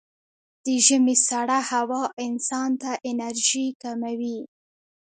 د ژمي سړه هوا انسان ته انرژي کموي.